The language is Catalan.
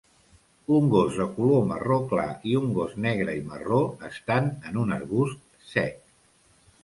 Un gos de color marró clar i un gos negre i marró estan en un arbust sec